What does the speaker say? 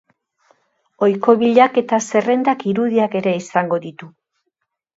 Ohiko bilaketa zerrendak irudiak ere izango ditu.